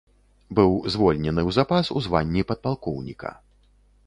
Быў звольнены ў запас у званні падпалкоўніка.